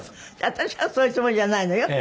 私はそういうつもりじゃないのよ。